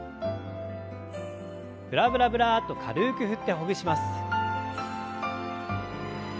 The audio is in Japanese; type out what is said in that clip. ブラブラブラッと軽く振ってほぐします。